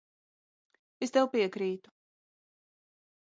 Es tev piekrītu.